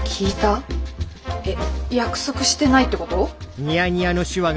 えっ約束してないってこと？